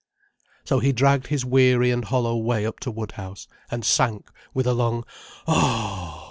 So he dragged his weary and hollow way up to Woodhouse, and sank with a long "Oh!"